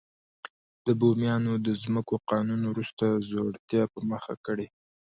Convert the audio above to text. د بومیانو د ځمکو قانون وروسته ځوړتیا په مخه کړې.